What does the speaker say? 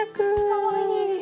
かわいい。